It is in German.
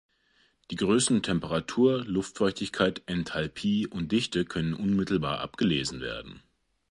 Die Größen Temperatur, Luftfeuchtigkeit, Enthalpie und Dichte können unmittelbar abgelesen werden.